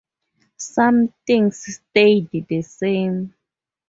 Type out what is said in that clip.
Some things stayed the same.